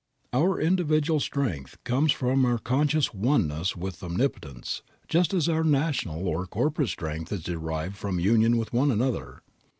Our individual strength comes from our conscious oneness with Omnipotence, just as our national or corporate strength is derived from union with one another.